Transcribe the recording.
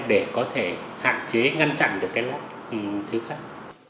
để có thể hạn chế ngăn chặn được cái lát thứ phát